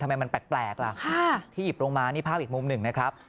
ทำไมมันแปลกล่ะที่หยิบลงมานี่ภาพอีกมุมหนึ่งนะครับ